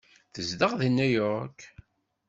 Tezdeɣ deg New York.